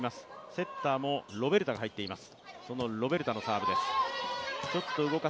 セッターもロベルタが入っています。